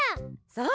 そう。